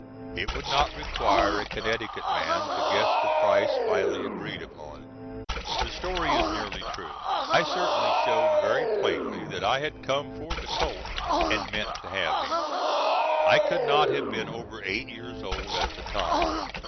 It would not require a Connecticut man to guess the price finally agreed upon. This story is nearly true. I certainly showed very plainly that I had come for the colt and meant to have him. I could not have been over eight years old at the time.